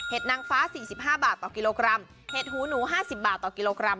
นางฟ้าสี่สิบห้าบาทต่อกิโลกรัมเห็ดหูหนูห้าสิบบาทต่อกิโลกรัม